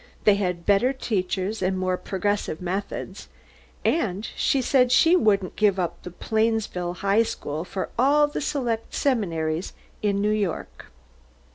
They had better teachers and more progressive methods; and she said she wouldn't give up the Plainsville High School for all the select seminaries in New York.